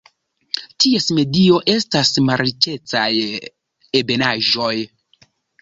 Ties medio estas marĉecaj ebenaĵoj.